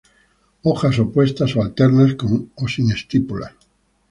Hojas opuestas o alternas, con o sin estípulas.